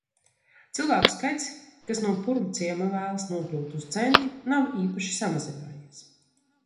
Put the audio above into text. Cilvēku skaits, kas no Purvciema vēlas nokļūt uz centru, nav īpaši samazinājies.